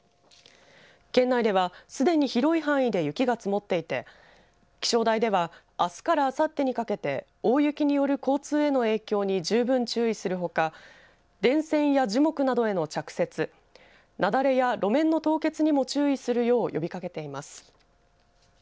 県内では、すでに広い範囲で雪が積もっていて気象台ではあすからあさってにかけて大雪による交通への影響に十分注意するほか電線や樹木などへの着雪雪崩や路面の凍結にも注意するよう呼びかけています。